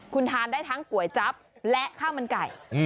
คุณทานได้ทั้งก๋วยจั๊บและข้าวมันไก่